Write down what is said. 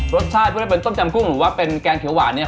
รสชาติก็จะเป็นต้มจำกุ้งหรือว่าเป็นแกงเขียวหวานเนี่ย